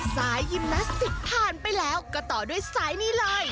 สายยิมนาสติกผ่านไปแล้วก็ต่อด้วยสายนี้เลย